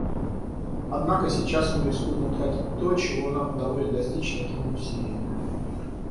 Однако сейчас мы рискуем утратить то, чего нам удалось достичь такими усилиями.